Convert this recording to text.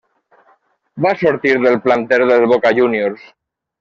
Va sortir del planter del Boca Juniors.